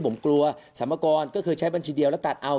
ไม่มีจ่ายให้ใครเลย